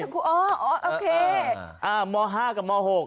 ผู้ชายทั้งคู่อ๋อโอเค